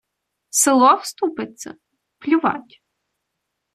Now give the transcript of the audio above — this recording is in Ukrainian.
Село вступиться? Плювать.